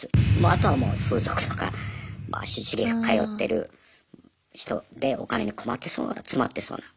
あとはもう風俗とかまあ足しげく通ってる人でお金に困ってそうな詰まってそうな。